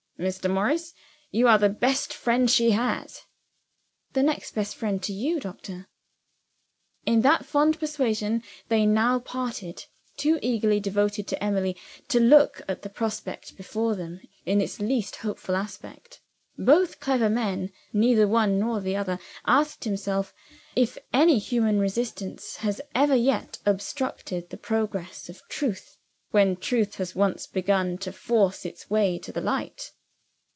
"Mr. Morris, you are the best friend she has." "The next best friend to you, doctor." In that fond persuasion they now parted too eagerly devoted to Emily to look at the prospect before them in its least hopeful aspect. Both clever men, neither one nor the other asked himself if any human resistance has ever yet obstructed the progress of truth when truth has once begun to force its way to the light.